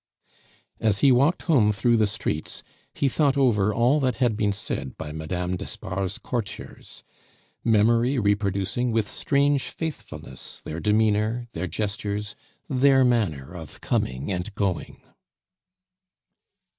As he walked home through the streets he thought over all that had been said by Mme. d'Espard's courtiers; memory reproducing with strange faithfulness their demeanor, their gestures, their manner of coming and going.